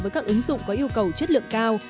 với các ứng dụng có yêu cầu chất lượng cao